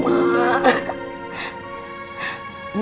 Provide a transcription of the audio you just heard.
ma jangan sakit dong ma